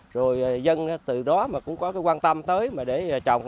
rồi dân từ đó mà cũng có cái quan tâm tới mà để trồng